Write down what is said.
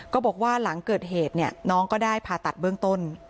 บอกว่าหลังเกิดเหตุน้องก็ได้ผ่าตัดเบื้องต้น